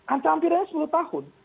anca ampir hanya sepuluh tahun